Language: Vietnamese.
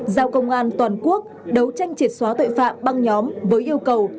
giao công an toàn quốc đấu tranh triệt xóa tội phạm băng nhóm với yêu cầu